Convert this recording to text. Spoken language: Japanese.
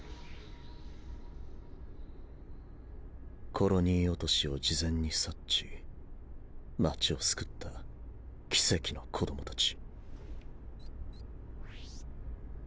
「コロニー落としを事前に察知街を救った奇蹟の子どもたち」。